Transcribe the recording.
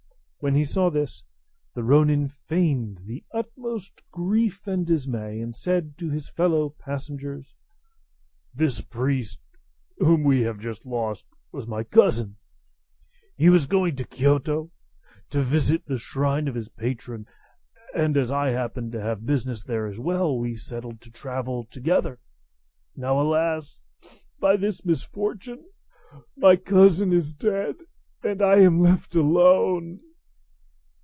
When he saw this, the ronin feigned the utmost grief and dismay, and said to his fellow passengers, "This priest, whom we have just lost, was my cousin; he was going to Kiyoto, to visit the shrine of his patron; and as I happened to have business there as well, we settled to travel together. Now, alas! by this misfortune, my cousin is dead, and I am left alone."